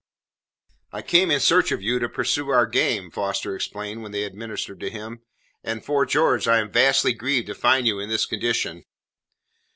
"I came in search of you to pursue our game," Foster explained when they had ministered to him, "and, 'fore George, I am vastly grieved to find you in this condition."